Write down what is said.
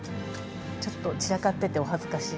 ちょっと散らかっててお恥ずかしいんですけれど。